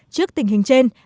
trước tình hình trên